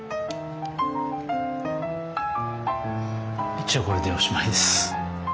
一応これでおしまいです。